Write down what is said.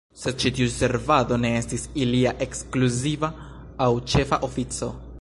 Sed ĉi tiu servado ne estis ilia ekskluziva aŭ ĉefa ofico.